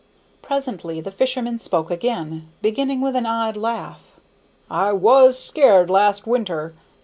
Presently the fisherman spoke again, beginning with an odd laugh: "I was scared last winter!